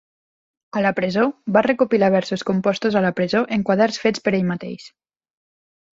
A la presó, va recopilar versos compostos a la presó en quaderns fets per ell mateix.